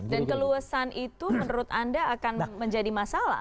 dan keluasan itu menurut anda akan menjadi masalah